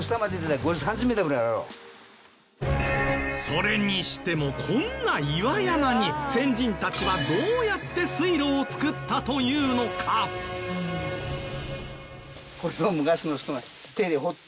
それにしてもこんな岩山に先人たちはどうやって水路を作ったというのか？えっ？